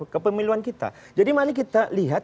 kepemiluan kita jadi mari kita lihat